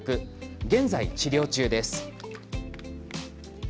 現在、治療中です。